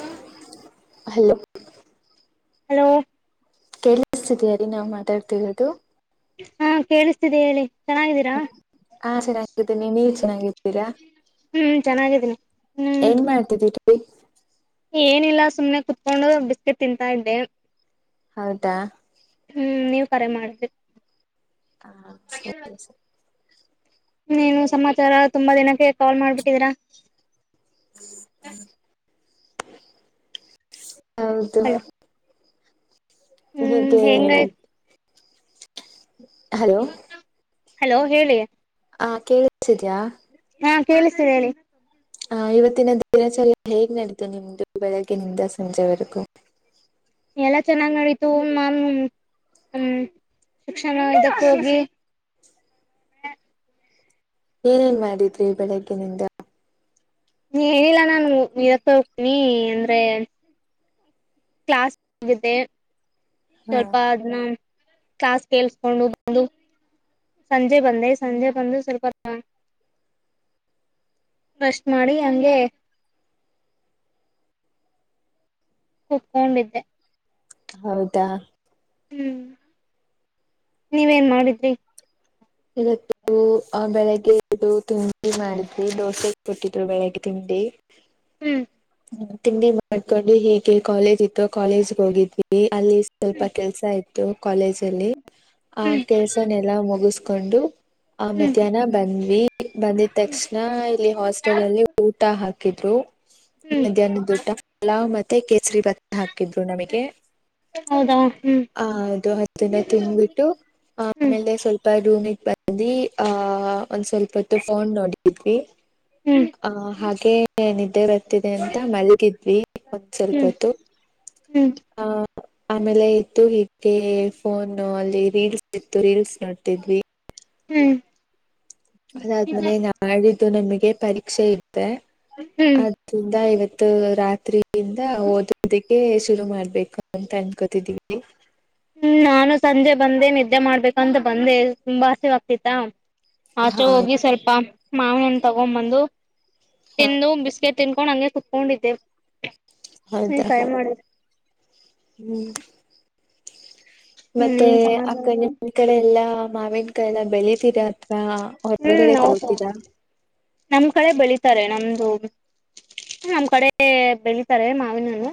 ಹ್ಮ hello hello ಕೇಳಿಸ್ತಿದೀಯಾರಿ ನಾವ್ ಮಾತಾಡ್ತಿರೋದು ಹಾ ಕೇಳಿಸ್ತಿದೆ ಹೇಳಿ ಚೆನ್ನಾಗಿದ್ದೀರಾ ಹಾ ಚೆನ್ನಾಗಿದ್ದೀನಿ ನೀವ್ ಚೆನ್ನಾಗಿದ್ದೀರಾ ಹ್ಮ್ ಚೆನ್ನಾಗಿದ್ದೀನಿ ಹ್ಮ್ ಏನ್ ಮಾಡ್ತಿದ್ದೀರ [inaudible] ಏನಿಲ್ಲ ಸುಮ್ನೆ ಕುತ್ಕೊಂಡು ಬಿಸ್ಕೆಟ್ ತಿಂತಾ ಇದ್ದೆ ಹೌದಾ ಹ್ಮ್ ನೀವ್ ಕರೆ ಮಾಡಿದ್ರಿ ಹಾ ಸರಿ ಸರಿ ಏನು ಸಮಾಚಾರ ತುಂಬಾ ದಿನಕ್ಕೆ ಕಾಲ್ ಮಾಡ್ಬಿಟ್ಟಿದೀರಾ [inaudible] ಹೌದು ಹಲೋ ಹ್ಮ್ ಹೆಂಗ [unintelligible] ಹಲೋ ಹಲೋ ಹೇಳಿ ಹ ಕೇಳಸಿದಯ ಕೇಳಿಸ್ತೇನೆ ಹೇಳಿ ಹ ಇವತ್ತಿನ ದಿನಾಚ ಹೇಗ್ ನಡೀಿತು ನಿಮ್ದು ಬೆಳಗ್ಗೆಿನಿಂದ ಸಂಜೆವರೆಗೂ ಎಲ್ಲಾ ಚೆನ್ನಾಗ್ ನಡೀತು ನನ್ ಹ್ಮ್ ಶಿಕ್ಷಣ ಇದಕ್ಕ ಹೋಗಿ ಏನೇನ್ ಮಾಡಿದ್ರಿ ಬೆಳಗ್ಿನಿಂದ ನೀ ಏನಿಲ್ಲ ನಾು ಇದಕ್ಕೆ ಹೋಗ್ತೀನಿ ಅಂದ್ರೆ ಕ್ಲಾಸ್ ಆಗೆ ಹ ಸ್ವಲ್ಪ ಅದನ್ನ ಕ್ಲಾಸ್ ಕೇೇಳಸ್ಕೊಂಡು ಬಂದು ಸಂಜೆ ಬಂದೆ ಸಂಜೆ ಬಂದು ಸ್ವಲ್ಪ ರಸ್ಟ್ ಮಾಡಿ ಹಂಗೆ ಕುತ್ಕೊಂಡಿದ್ದೆ ಹೌದಾ ಹ್ಮ್ ನೀವೇನ್ ಮಾಡಿದ್ರಿ ಇವತ್ತು ಆ ಬೆಳಿಗ್ಗೆ ಇದು ತಿಂಡಿ ಮಾಡಿದ್ರಿ ದೋಸೆ ಕೊಟ್ಟಿದ್ರು ಬೆಳಿಗ್ಗೆ ತಿಂಡಿ ದ ಹ್ಮ್ ತಿಂಡಿ ಮಾಡ್ಕೊಂಡು ಹೀಗೆ ಕಾಲೇಜ್ ಇತ್ತು ಕಾಲೇಜ್ ಹೋಗಿದ್ವಿ ಅಲ್ಲಿ ಸ್ವಲ್ಪ ಕೆಲ್ಸ ಇತ್ತು ಕಾಲೇಜ್ ಅಲ್ಲಿ ಆ ಹ್ಮ್ ಕೆಲ್ಸನೆೆಲ್ಲಾ ಮುಗ ಕೊಂಡು ಆ ಹ್ಮ್ ಮಧ್ಯಾಹ್ನ ಬಂದ್ವಿ ಬಂದಿದ ತಕ್ಷಣ ಇಲ್ಲಿ ಹಾಸ್ಟೆಲ್ ಅಲ್ಲಿ ಊಟ ಹಾಕಿದ್ರು ಹ್ಮ್ ಮಧ್ಯಾಹ್ನ ದುಡ್ಡ ಪಲಾವ್ ಮತ್ತೆ ಕೇಸರಿ ಭತ್ತ ಹಾಕಿದ್ರು ನಮಗೆ ಹೌದಾ ಹ್ಮ್ ಹ ಅದು ಅದನ್ನು ತಿನ್್ಬಿಟ್ಟು ಆ ಹ್ಮ್ ಆಮೇಲೆ ಸ್ವಲ್ಪ ರೂಮಿಗೆ ಬಂದಿ ಆಹ ಒಂದ್ ಸ್ವಲ್ಪ ಹೊತ್ತು ಫೋನ್ ನೋಡಿದ್ವಿ ಹ್ಮ್ ಹ ಹಾಗೆನಿದ್ದೇ ರ ಅಂತ ಮಲಗಿದ್ವಿ ಒಂದ್ ಹ್ಮ್ ಸ್ವಲ್ಪತ್ತು ಹ್ಮ್ ಆಮೇಲೆ ಇತ್ತು ಹೀಗೆ ಫೋನ್ ಅಲ್ಲಿ ರೀಲ್ಸ್ ಇತ್ತು ರೀಲ್ಸ್ ನಟ್ಟಿದವಿ ಹ್ಮ್ ಅದಾದ್ಮೇನೆ ನಾಡಿದ್ದು ನಮಗೆ ಪರೀಕ್ಷೆ ಇ್ದೆ ಹ್ಮ್ ಹ್ಮ್ ಆದ್ರಿಂದ ಇವತ್ತು ಮತ್ತ ರಾತ್ರಿಯಿಂದ ಓದೋದಕ್ಕೆ ಶುರು ಮಾಡ್ಬೇಕು ಅಂತ ಅನ್ಕೋತಿದೀವಿ ಹ್ಮ್ ನಾನು ಸಂಜೆ ಬಂದೆ ನಿದ್ದೆ ಮಾಡ್ಬೇಕಂತ ಬಂದೆಂಬಾಸೇವಾಗಗ್ತಿತ್ತ ಆಚೆ ಹೋಗಿ ಹಾಗೆ ಸ್ವಲ್ಪ ಮಾವನನ್ ತಗೊಂಡ್ ಬಂದು ತಿಂದು ಬಿಸ್ಕೆಟ್ ತಿನ್ಕೊಂಡು ಹಂಗೆ ಕುತ್ಕೊಂಡಿದ್ದೆ ಹೌದಾ ನೀ ೈ ಮಾಡ ಹ್ಮ್ ಹ್ಮ್ ಮತ್ತೆ ಏನ್ ಸಮಾಚಾರ ಅಕ್ಕ ನಿನ್ ಕಡೆ ಎಲ್ಲಾ ಮಾವಿನ ಕಡೆ ಎಲ್ಲ ಬೆಳಿತೀರಾ ಹ ಹ್ಮ್ ಹೊರರಗಡೆ ಹೌದು ತಗೋತೀರಾ ನಮ್ ಕಡೆ ನಮ್ದು ನಮ್ ಕಡೆ ಬೆಳಿತಾರೆ ಮಾವಿನನು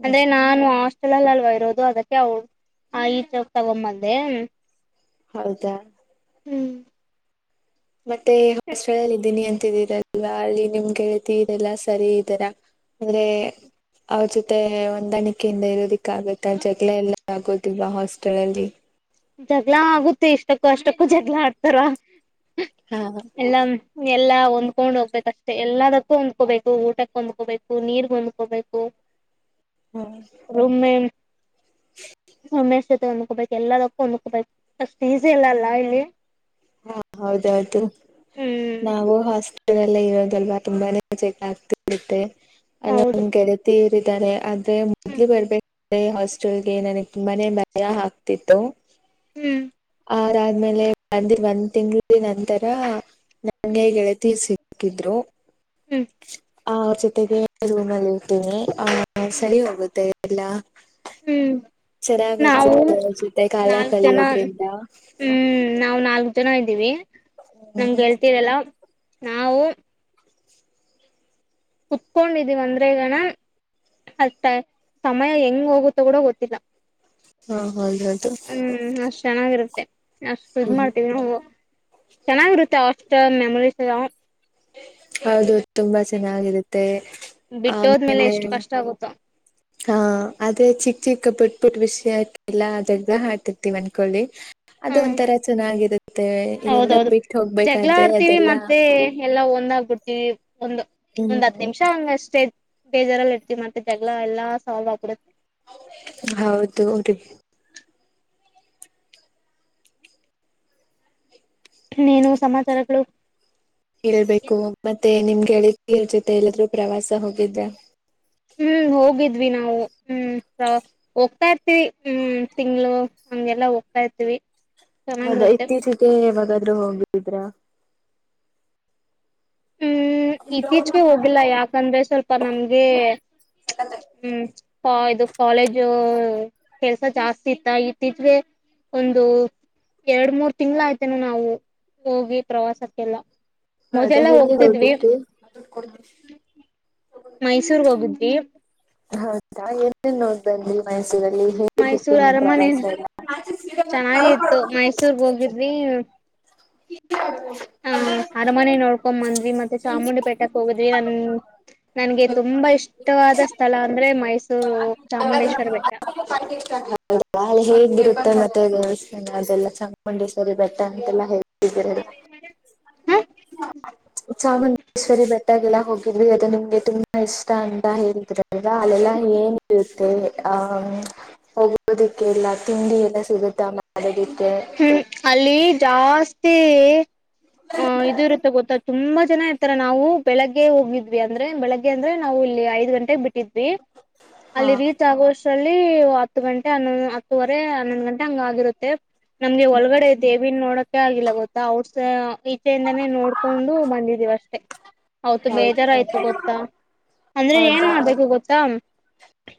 ಹ್ಮ್ ಅಂದ್ರೆ ನಾನು ಆ ಚಲಲಲ್ವ ಇರೋದು ಅದಕ್ಕೆ ಅವ ಆ ಈಚ ತಗೊಂಬಂದೆ ಹೌದಾ ಹ್ಮ್ ಮತ್ತೆ ಹಾಸ್ಟೆಲ್ ಅಲ್ಲಿ ಇದ್ದೀನಿ ಅಂತಿದ್ದೀರಲ್ವಾ ಅಲ್ಲಿ ನಿಮ್ಗೆಳ್ತಿ ಇದೆಲ್ಲಾ ಸರಿ ಇದರ ಅಂದ್ರೆ ಅವ್ರ ಜೊತೆ ಹೊಂದಾಣಿಕೆಯಿಂದ ಇರೋದಿಕ್ಕ ಆಬೇಕ ಜಗಳ ಎಲ್ಲ ಆಗೋದಿಲ್ವಾ ಹಾಸ್ಟೆಲ್ ಅಲ್ಲಿ ಜಗ್ಗಳ ಆಗುತ್ತೆ ಇಷ್ಟಕ್ಕೂ ಅಷ್ಟಕ್ಕೂ ಜಗ್ಗಳ ಆಡ್ತಾರ ಹಾ ಎಲ್ಲ ಎಲ್ಲಾ ಹೊಂದ್ಕೊಂಡ್ ಹೋಗ್ಬೇಕು ಅಷ್ಟೆ ಎಲ್ಲದಕ್ಕೂ ಹೊಂದ್ಕೋಬೇಕು ಊಟಕ್ಕೆ ಹೊಂದ್ಕೋಬೇಕು ನೀರ್ ಹೊಂದ್ಕೋಬೇಕು ಹಾ ರಮ್ಮೆ ಒಮ್ಮೆಷ್ಟತೆ ಅಂದಕೊಬೇಕ ಎಲ್ಲ ಅಷ್ಟ್ ಈಸಿ ಇಲ್ಲ ಅಲ್ಲ ಇಲ್ಲಿ ಹಾ ಹೌದೌದು ಹ್ಮ್ ನಾವು ಹಾಸ್ ಲ್ಲ ಇರೋದಲ್ವಾ ತುಂಬಾನೇ ಜಗಳ ಆಗ್ತಿ ಇರುತ್ತೆ ಹೌದು ಅದು ಗೆಳತಿರ್ ಇದಾರೆ ಆದ್ರೆ ಹ್ಮ್ ಮೊದ್ಲಿ ಬರ್ಬೇಕ ಹಾಸ್ಟೆಲ್ಗೆ ನನಗ್ ತುಂಬಾನೇ ಭಯ ಆಗ್ತಿತ್ತು ಅದಾದ್ಮೇಲೆ ಬಂದಿರ ಒಂದ್ ತಿಂಗಳ ನಂತರ ಹ್ಮ್ ನಂಗೆ ಗೆಳತಿಸಿ ಕಿದ್ರು ಹ್ಮ್ ಅವ್ರ ಜೊತೆಗೆ ರೂಮ್ ಅಲ್ಲಿ ಇರ್ತೀನಿ ಆ ಸರಿ ಹೋಗುತ್ತೆ ಎಲ್ಲ ಹ್ಮ್ ಚೆನ್ನಾಗ್ ನಾವು ಅನ್ಸುತ್ತೆ ಅವ್ರ್ ಜೊತೆ ಕಾಲ ನಾಲ್ಕ್ ಜನ ಕಳಿಯೋದ್ರಿಂದ ಚನ್ನಗ್ ಇದ್ದೀವಿ ನಮ್ ಹ್ಮ್ ಗೆಳತೀರ್ಯಲ್ಲ ನಾವು ಕುತ್ಕೊಂಡಿದೀವಿ ಅಂದ್ರೆಗಣ ಅತ್ತ ಸಮಯ ಹೆಂಗ ಹೋಗುತ್ತ ಕೂಡ ಗೊತ್ತಿಲ್ಲ ಹಾ ಹಾ ಹೌದೌದು ಹ್ಮ್ ಅಷ್ಟ್ ಚೆನ್ನಾಗಿರುತ್ತೆ ಅಷ್ಟು ಹ್ಮ್ ಮಾಡ್ತೀವಿ ನಾವು ಚೆನ್ನಾಗಿರುತ್ತೆ ಹಾಸ್ಟೆಲ್ ಮೆಮೊರಿಸ್ಯಲ್ಲ ಹೌದು ತುಂಬಾ ಚೆನ್ನಾಗಿರುತ್ತೆ ಬಿಟ್ಟೋದ್ಮೇಲೆ ಆಮೇಲೆ ಎಷ್ಟು ಕಷ್ಟ ಆಗುತ್ತೋ ಹಾ ಆದೇ ಚಿಕ್- ಚಿಕ್, ಪುಟ್ -ಪುಟ್ ವಿಷಯ ಆಯತಿಲ್ಲ ಅದ್ದ ಹಾರ್ತಿವಿ ಅನ್ಕೊಳ್ಳಿ ಅದು ಹ್ಮ್ ಒಂಥರ ಚೆನ್ನಾಗಿರುತ್ತೆ ಇಲ್ಲಿಂದ ಹೌದೌದು ಬಿಟ್ಟು ಹೋಗ್ಬೇಕಾದ್ರೆ ಅದೆಲ್ಲಾ ಒಂದಾಗಬಿಡ್ತಿವಿ ಒಂದು ಒಂದ್ ಹತ್ತು ನಿಮಿಷ ಹಂಗ ಅಷ್ಟೇ ಬೇಜಾರಲ್ಲಿ ಇರ್ತಿವಿ ಮತ್ತೆ ಜಗಳಾ ಎಲ್ಲಾ ಸಾಲ್ವೆ ಆಗ್ಬಿಡುತ್ತೆ ಹೌದು ರಿ ಇನ್ ಏನು ಸಮಾಚಾರಗಳು ಹೇಳ್ಬೇಕು ಮತ್ತೆ ನಿಮ್ ಗೆಳತಿರ್ ಜೊತೆ ಎಲ್ಲದ್ರು ಪ್ರವಾಸ ಹೋಗಿದ್ರ ಹ್ಮ್ ಹೋಗಿದ್ವಿ ನಾವು ಹ್ಮ್ ಹೋಗ್ತಾ ಇರ್ತಿವಿ ಹ್ಮ್ ತಿಂಗಳು ನಮ್ಗೆಲ್ಲಾ ಹೋಗ್ತಾ ಇರ್ತಿವಿ ಹೌದಾ ಇತ್ತೀಚಿಗೆ ಯಾವಾಗಾದ್ರೂ ಹೋಗಿದ್ರ ಹ್ಮ್ ಇತ್ತೀಚಿಗೆ ಹೋಗಿಲ್ಲ ಯಾಕಂದ್ರೆ ಸ್ವಲ್ಪ ನಮ್ಗೆ ಹ್ಮ್ ಇದು ಕಾಲೇಜು ಕೆಲ್ಸ ಜಾಸ್ತಿ ಇತ್ತ ಇತ್ತೀಚಿಗೆ ಒಂದು ಎರಡ್ ಮೂರ್ ತಿಂಗ್ಳ ಆಯ್ತೆನು ನಾವು ಹೋಗಿ ಪ್ರವಾಸಕ್ಕೆಲ್ಲ ಹೌದ ಮೊದಲೆಲ್ಲ ಎಲ್ಲಿಗೆ ಹೋಗ್ತಿದ್ವಿ ಹೋಗಿದ್ರಿ ಮೈಸೂರ್ ಹೋಗಿದ್ವಿ ಹೌದಾ ಏನ್ ಏನ್ ನೋಡ್ದೆ ಅಲ್ಲಿ ಮೈಸೂರಲ್ಲಿ ಹೇಗಿತ್ತು ಮೈಸೂರ್ ನಿಮ್ ಅರಮನೆ ಪ್ರವಾಸಯಲ್ಲ [inaudible] ಚೆನ್ನಾಗಿ ಇತ್ತು ಮೈಸೂರ್ಗ್ ಹ್ಮ್ ಅರಮನೆ ನೋಡ್ಕೊ ಬಂದ್ವಿ ಮತ್ತೆ ಚಾಮುಂಡಿ ಬೆಟ್ಟಕ್ ಹೋಗದ್ವಿ ಅನ್ ನನ್ಗೆ ತುಂಬಾ ಇಷ್ಟವಾದ ಸ್ಥಳ ಅಂದ್ರೆ ಮೈಸೂರು ಚಾಮುಂಡೇಶ್ವರ ಬೆಟ್ಟ ಹೌದ ಹೇಗಿರುತ್ತೆ ಮತ್ತೆ ಅದೆಲ್ಲ ಚಾಮುಂಡೇಶ್ವರಿ ಬೆಟ್ಟ ಅಂತೆಲ್ಲ ಹೇಳ್ ಹ ಚಾಮುಂಡೇಶ್ವರಿ ಬೆಟ್ಟ ಟಗೆಲ್ಲ ಹೋಗಿದ್ವಿ ಅದ ನಿಮ್ಗೆ ತುಂಬಾ ಇಷ್ಟ ಅಂತ ಹೇಳಿದ್ರು ಈಗ ಅಲ್ಲೆಲ್ಲ ಏನ್ ಇರುತ್ತೆ ಅಂ ಹೋಗೋದಿಕ್ಕೆ ಎಲ್ಲ ತಿಂಡಿ ಎಲ್ಲ ಸಿಗುತ್ತೆ ಮಾಡೋದಿಕ್ಕೆ ಹ್ಮ್ ಅಲ್ಲಿ ಜಾಸ್ತಿ ಆ ಇದು ಇರುತ್ತೆ ಗೊತ್ತಾಗ್ ತುಂಬಾ ಜನ ಇರ್ತಾರೆ ನಾವು ಬೆಳಿಗ್ಗೆ ಹೋಗಿದ್ವಿ ಅಂದ್ರೆ ಬೆಳಿಗ್ಗೆ ಅಂದ್ರೆ ನಾವು ಇಲ್ಲಿ ಐದ್ ಗಂಟೆಗೆ ಬಿಟ್ಟಿದ್ವಿ ಹಾ ಅಲ್ಲಿ ರೀಚ್ ಆಗುವಷ್ಟ ರಲ್ಲಿ ಹತ್ತು ಗಂಟೆ ಹೊ ಹತ್ತುವರೆ ಹನ್ನೊಂದು ಗಂಟೆ ಹಂಗ್ ಆಗಿರುತ್ತೆ ನಮ್ಗೆ ಹ್ಮ್ ಒಳಗಡೆ ದೇವಿ ನೋಡಕೆ ಆಗಿಲ್ಲ ಗೊತ್ತಾ ಔಟ್ ಅಚೆ ಇಂದಾನೆ ನೋಡ್ಕೊಂಡು ಬಂದಿದ್ದೀವ ಅಷ್ಟೇ ಅವತ್ತು ಹೌದಾ ಬೇಜಾರ್ ಆಯ್ತು ಗೊತ್ತಾ ಅಂದ್ರೆ ಏನ್ ಹೌದಾ ಮಾಡ್ಬೇಕು ಗೊತ್ತಾ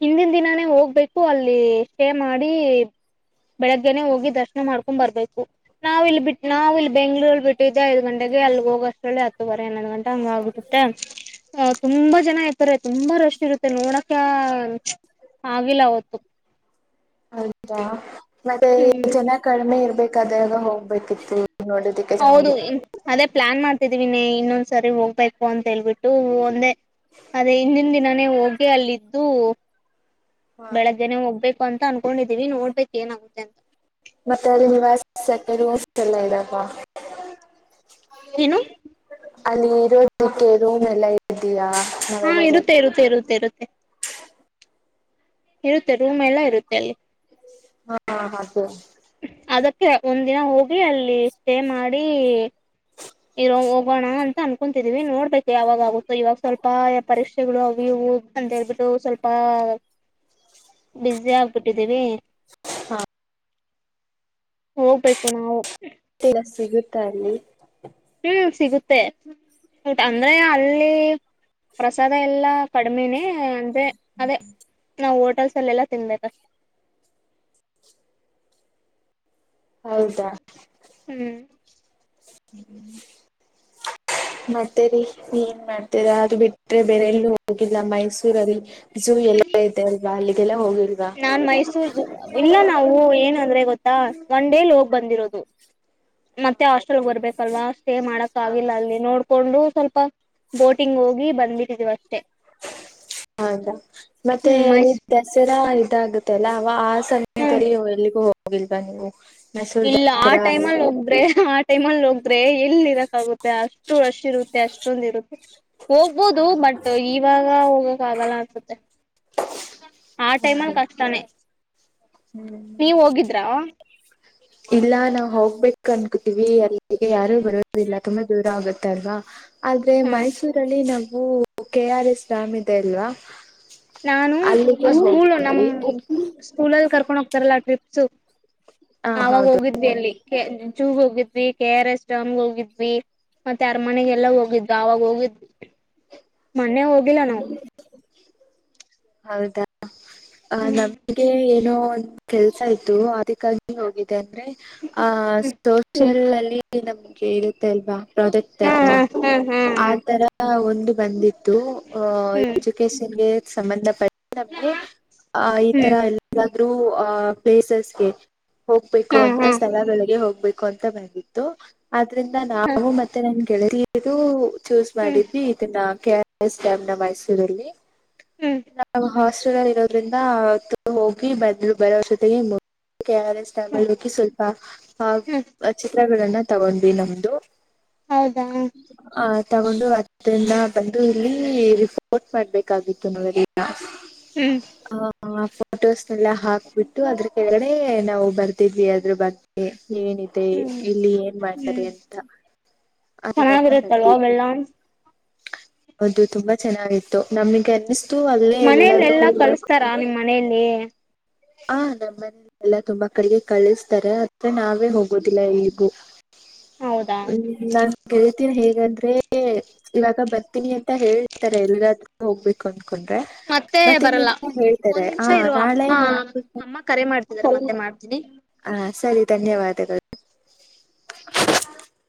ಹಿಂದಿನ ದಿನಾನೇ ಹೋಗ್ಬೇಕು ಅಲ್ಲಿ ಸ್ಟೇ ಮಾಡಿ ಬೆಳಿಗ್ಗೆನೆ ಹೋಗಿ ದರ್ಶನ ದರ್ಶನ ಮಾಡ್ಕೊಂಡ್ ಬರ್ಬೇಕು ನಾವು ಇಲ್ಲಿ ಬಿಟ್ಟ ನಾವು ಇಲ್ಲಿ ಬೆಂಗ್ಳೂರಲ್ಲಿ ಬಿಟ್ಟಿದ್ದೆ ಐದು ಗಂಟೆಗೆ ಅಲ್ಲಿ ಹೋಗೋಷ್ಟಲ್ಲೆ ಹತ್ತು ಹತ್ತು ವರೆ ಹನ್ನೊಂದು ಗಂಟಾ ಹಂಗ ಆಗುತ್ತೆ ತುಂಬಾ ಜನ ಇರ್ತಾರೆ ತುಂಬಾ ರಶ್ ಇರುತ್ತೆ ನೋಡಕ ಆಗಿಲ್ಲ ಅವತ್ತು ಹೌದ ಮತ್ತೆ ಹ್ಮ್ ಜನ ಕಡಿಮೆ ಇರ್ಬೇಕಾದಾಗ ಹೋಗ್ಬೇಕಿತ್ತು ನೋಡೋದಿಕ್ಕೆ ಹೌದು ಚೆನ್ನಾಗಿತ್ತು ಅದೇ ಪ್ಲಾನ್ ಮಾಡ್ತಿದ್ದ ತಿದಿನಿ ಇನ್ನೊಂದ್ ಸರಿ ಹೋಗ್ಬೇಕು ಅಂತ ಹೇಳ್ಬಿಟ್ಟು ಒಂದೇ ಅದೇ ಹಿಂದಿನ ದಿನಾನೇ ಹೋಗಿ ಅಲ್ಲಿದ್ದು ಹಾ ಬೆಳಗ್ಗೆನೆ ಹೋಗ್ಬೇಕು ಅಂತ ಅನ್ಕೊಂಡಿದೀವಿ ನೋಡ್ಬೇಕಕ್ ಏನಾಗುತ್ತೆ ಅಂತ ಮತ್ತೆ ಅಲ್ಲಿ ನಿವಾಸಕ [unintelligible] ಎಲ್ಲ ಇರುತಾ ಏನು ಅಲ್ಲಿ ಇರೋದಕ್ಕೆ ರೂಮ್ ಎಲ್ಲ ಇದಯಾ ಹಾ ಇರುತ್ತೆ ಇರುತ್ತೆ ಇರುತ್ತೆ ಇರುತ್ತೆ ಇರುತ್ತೆ ರೂಮ್ ಎಲ್ಲಾ ಇರುತ್ತೆ ಅಲ್ಲಿ ಹಾ ಹಾ ಓಕೆ ಅದಕ್ಕೆ ಒಂದ್ ದಿನ ಹೋಗಿ ಅಲ್ಲಿ ಸ್ಟೇ ಮಾಡಿ ಇರೋ ಹೋಗೋಣ ಅಂತ ಅನ್ಕೊತಿದೀವಿ ನೋಡ್ಬೇಕು ಯಾವಾಗ ಆಗುತ್ತೋ ಇವಾಗ ಸ್ವಲ್ಪ ಪರೀಕ್ಷೆಗಳು ಅವು ಇವು ಅಂತೇಳ್ಬಿಟ್ಟು ಸ್ವಲ್ಪ ಬ್ಯುಸಿ ಆಗ್ಬಿಟ್ಟಿದ್ದೀವಿ ಹಾ ಹೋಗ್ಬೇಕು ನಾವು ಫ್ರೀ ಬಸ್ ಸಿಗುತ್ತ ಅಲ್ಲಿ ಹ್ಮ್ ಸಿಗುತ್ತೆ ಅಂದ್ರೆ ಅಲ್ಲಿ ಪ್ರಸಾದ ಎಲ್ಲಾ ಕಡಿಮೆನೇ ಅಂದ್ರೆ ಅದೇ ನಾವು ಹೋಟೆಲ್ಸ್ ಅಲ್ಲೆಲ್ಲ ತಿನ್ಬೇಕಷ್ಟೆ [inaudible] ಹೌದಾ ಹ್ಮ್ [unintelligible] ಮತ್ತೆ ರಿ ಏನ್ ಮಾಡ್ತೀರಾ ಅದು ಬಿಟ್ರೆ ಬೇರೆ ಎಲ್ಲೂ ಹೋಗಿಲ್ಲ ಮೈಸೂ ಮೈಸೂರ್ ಅಲ್ಲಿ ಝೂ ಎಲ್ಲ ಇದೆ ಅಲ್ವಾ ಅಲ್ಲಿಗೆಲ್ಲ ಹೋಗಿಲ್ವಾ ನಾನ್ ಮೈಸೂರ್ ಇಲ್ಲ ನಾವು ಏನ ಅಂದ್ರೆ ಗೊತ್ತಾ ಒನ್ ಡೇಲಿ ಹೋಗ್ ಬಂದಿರೋದು ಹಾ ಮತ್ತೆ ಹಾಸ್ಟೆಲ್ ಹಾಗೆ ಬರ್ಬೇಕಲ್ವಾ ಸ್ಟೇ ಮಾಡಕ್ ಆಗಿಲ್ಲ ಅಲ್ಲಿ ನೋಡ್ಕೊಂಡು ಸ್ವಲ್ಪ ಬೋಟಿಂಗ್ ಹೋಗಿ ಬಂದಬಿಟ್ಟಿದೀವಿ ಅಷ್ಟೇ ಹೌದಾ ಮತ್ತೆ ಹ್ಮ್ ಅಲ್ಲಿ ಮೈಸ್ ದಸರಾ ಇದಾಗುತ್ತೆ ಅಲ್ಲ ಅವ ಆ [unintelligible] ಹ್ಮ್ ತರಿ ಎಲ್ಲಿಗೂ ಹೋಗಿಲ್ವಾ ನೀವು ಮೈಸೂರು ಇಲ್ಲ ಆ ದಸರಾ ಟೈಮಲ್ಲಿ ಒಬ್ರೆ ಆ ಟೈಮಲ್ಲಿ ಹೋಗ [unintelligible] ಎಲ್ಲಿ ಇರಕ್ಕಾಗುತ್ತೆ ಅಷ್ಟು ರಶ್ ಇರುತ್ತೆ ಅಷ್ಟೊಂದ ಇರುತ್ತೆ ಹೋಗ್ಬೋದು ಬಟ್ ಇವಾಗ ಹೋಗಕ ಆಗಲ್ಲ ಅನ್ಸುತ್ತೆ ಆ ಟೈಮ್ ಹೌದಾ ಅಲ್ ಕಷ್ಟಾನೇ ಹ್ಮ್ ನೀವ ಹೋಗಿದ್ರಾ ಇಲ್ಲ ನಾವು ಹೋಗ್ಬೇಕು ಅನ್ಕೊತೀವಿ ಅಲ್ಲಿಗೆ ಯಾರು ಬರೋದಿಲ್ಲ ತುಂಬಾ ದೂರ ಆಗುತ್ತಲ್ವಾ ಆದ್ರೆ ಹ್ಮ್ ಮೈಸೂರಲ್ಲಿ ನಾವು ಕೆ ಆರ್ ಎಸ್ ಡ್ಯಾಮ್ ಇದೆ ಅಲ್ವಾ ನಾನು ಅಲ್ಲಿಗೆ ಸ್ಕೂಲ್ ಹೋಗಿದ್ವಿ ನಮ್ಮ ಸ್ಕೂಲಲ್ಲಿ ಕರ್ಕೊಂಡ್ ಹೋಗ್ತಾರಲ್ಲ ಟ್ರಿಪ್ಸ್ ಹ ಆವಾಗ ಹೌದು ಹೋಗಿದ್ವಿ ಹೌದು ಅಲ್ಲಿ ಝೂ ಹೋಗಿದ್ವಿ ಕೆ ಆರ್ ಎಸ್ ಡಾಮ್ಗೆ ಹೋಗಿದ್ವಿ ಮತ್ತೆ ಅರಮನೆಗೆಲ್ಲ ಹೋಗಿದ್ವಿ ಅವಗ ಹೋಗಿದ್ವಿ ಮೊನ್ನೆ ಹೋಗಿಲ್ಲ ನಾವು ಹೌದಾ ಆ ಹ್ಮ್ ನಮ್ಗೆ ಎನೋ ಒಂದು ಕೆಲ್ಸ ಇತ್ತು ಅದಕ್ಕಾಗಿ ಹೋಗಿದೆ ಅಂದ್ರೆ ಆ ಹ್ಮ್ [unintelligible] ಅಲ್ಲಿ ನಮಗೆ ಇರುತೆ ಅಲ್ವಾ ಪ್ರಾಜೆಕ್ಟ್ ಹಾ ತರಾ ಹಾ ಹಾ ಆ ಹಾ ತರಾ ಒಂದು ಬಂದಿತ್ತು ಹ್ಮ್ ಎಜುಕಷನ್ಗೆ ಸಂಬಂಧಪಟ್ಟ ನಮಗೆ ಆ ಈ ತರ ಹ್ಮ್ ಎಲ್ಲಾದ್ರೂ ಆ ಪ್ಲೇಸಸ್ಗೆ ಹೋಗ್ಬೇಕು ಹಾ ಅಂತ ಹಾ ಸ್ಥಳಗಳಿಗೆ ಹೋಗ್ಬೇಕು ಅಂತ ಬಂದಿತ್ತು ಇದರಿಂದ ಹಾ ನಾನು ಮತ್ತೆ ನನ್ನ ಗೆಳತಿಯರು ಚೂಸ್ ಹ್ಮ್ ಮಾಡಿದ್ವಿ ಇದನ್ನ ಕೆ ಆರ್ ಎಸ್. ಡ್ಯಾಂ ನಾ ಮೈಸೂರಲ್ಲಿ ಹ್ಮ್ ದೂರ ಇರೋದ್ರಿಂದ ಆ ಹೋಗಿ ಬಂದರು ಬರುವಷ್ಟೊತ್ತಿಗೆ ಹಿಂಗ್ ಕೆ ಆರ್ ಎಸ್ ಡ್ಯಾಂ ಅಲ್ಲಿ ಹೋಗಿ ಸ್ವಲ್ಪ ಹ್ಮ್ ಆ ಚಿತ್ರಗಳನ್ನ ತಗೊಂಡ್ವಿ ನಮ್ದು ಹೌದಾ ಆ ತಗೊಂಡು ಆಥರಿಂದ ಬಂದು ಅಲ್ಲಿ ರಿಪೋರ್ಟ್ ಮಾಡಬೇಕು ಆಗಿತ್ತು ನಾವೆಲ್ಲಾ ಹ್ಮ್ ಹಾ. ಫೋಟೋಸ್ನೆಲ್ಲ ಹಾಕ್ಬಿಟ್ಟು ಅದ್ರ ಕೆಳಗಡೆ ನಾವು ಬರ್ದಿದ್ವಿ ಅದ್ರ ಬಗ್ಗೆ ಏನಿದೆ ಹ್ಮ್ ಹ್ಮ್ ಇಲ್ಲಿ ಏನ್ ಮಾಡ್ತಾರೆ ಅಂತ ಅದನ್ನೆಲಾ ಚೆನ್ನಾಗಿರುತ್ತಲ್ವಾ ಬರದಿದ್ವಿ ಅವೆಲ್ಲ ಹೌದು ತುಂಬಾ ಚೆನ್ನಾಗಿತ್ತು ನಮ್ಗೆ ಅನಿಸ್ತು ಅಲ್ಲೇ ಮನೇಲಿ ಎಲ್ಲಾದ್ರೂ ಎಲ್ಲಾ ಕಳಸ್ತಾರಾ ಉಳುಕೊಂಡು. ನಿಮ್ ಮನೆಯಲ್ಲಿ ಹ ನಮ್ಮನೆಲ್ಲ ತುಂಬಾ ಕಳಿಗೆ ಕಳಿಸ್ತಾರೆ ಆದರೆ ನಾವೇ ಹೋಗೋದಿಲ್ಲ ಎಲ್ಲಿಗೂ ಹೌದಾ ಹ್ಮ ನಾನ್ ಕೇಳಿದ [unintelligible] ಬರ್ತೀನಿ ಹೇಗಂದ್ರೆ ಇವಾಗ ಬರ್ತೀನಿ ಅಂತ ಹೇಳಿರ್ತಾರೆ ಎಲ್ಲಾದ್ರೂ ಹೋಗ್ಬೇಕು ಅಂತ ಕೊಟ್ರೆ ಮತ್ತೆ ಮತ್ ಬರಲ್ಲ ಇನ್ನ ಹೇಳ್ತಾರೆ ಒಂದ್ ಆ ನಿಮಿಷ ಇರು ನಾಳೆ ಅಮ್ಮ ಹೋಗ ಅಮ್ಮ ಕರೆ ಮಾಡ್ತಿದಾರ ಮತ್ತೆ ಮಾಡ್ತೀನಿ ಹಾ ಸರಿ ಧನ್ಯವಾದಗಳು [unintelligible]